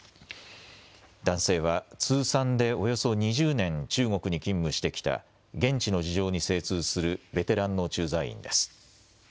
男性は通算でおよそ２０年、中国に勤務してきた現地の事情に精通するベテランの駐在員です。